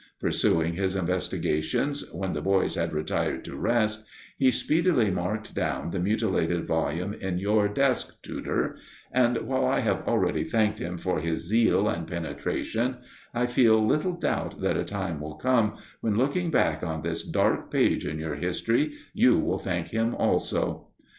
Pursuing his investigations, when the boys had retired to rest, he speedily marked down the mutilated volume in your desk, Tudor; and while I have already thanked him for his zeal and penetration, I feel little doubt that a time will come when, looking back on this dark page in your history, you will thank him also."